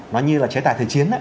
nó như là chế tài thời chiến